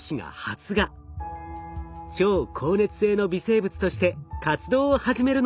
超好熱性の微生物として活動を始めるのです。